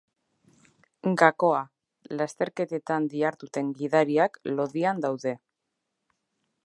Gakoa: Lasterketetan diharduten gidariak lodian daude.